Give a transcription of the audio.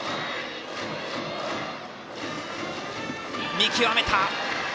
見極めた！